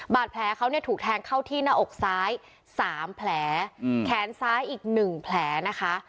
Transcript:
บาดแผลเขาเนี่ยถูกแทงเข้าที่หน้าอกซ้าย๓แผลแขนซ้ายอีก๑แผลนะคะ